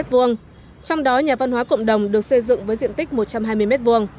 trong đó nhà văn hóa cộng đồng được xây dựng với diện tích một trăm hai mươi m hai